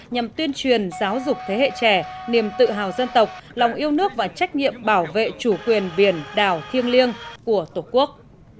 nhằm tuyên truyền giáo dục thế hệ trẻ niềm tự hào dân tộc lòng yêu nước và trách nhiệm bảo vệ chủ quyền biển đảo thiêng liêng của tổ quốc